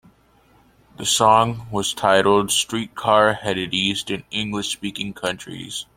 The song was titled "Streetcar Headed East" in English-speaking countries.